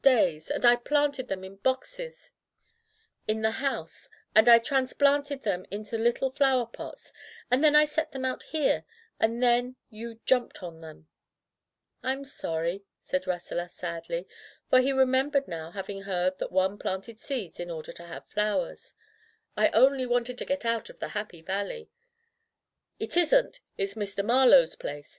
I soaked them for days and days, and I planted them in boxes in the Digitized by LjOOQ IC Interventions house, and I transplanted them into little flower pots, and then I set them out here, and then you jumped on them/' "Tm sorry/' said Rasselas sadly, for he remembered now having heard that one planted seeds in order to have flowers. "I only wanted to get out of the Happy Valley/' "It isn't; it's Mr. Marlowe's place.